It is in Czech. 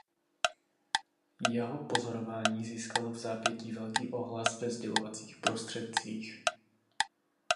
Jeho pozorování získalo vzápětí velký ohlas ve sdělovacích prostředcích.